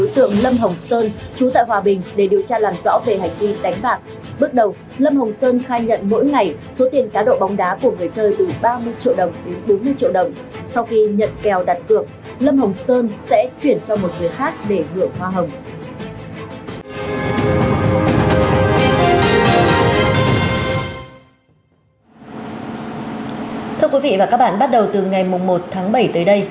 thưa quý vị và các bạn bắt đầu từ ngày một tháng bảy tới đây